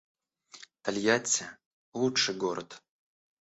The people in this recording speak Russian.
Тольятти — лучший город